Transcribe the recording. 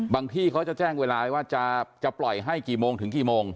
ที่เขาจะแจ้งเวลาว่าจะปล่อยให้กี่โมงถึงกี่โมง